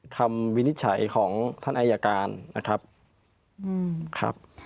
คำวินิจฉัยของท่านอายการนะครับ